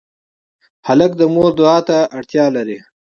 هلک د مور دعا ته اړتیا لري.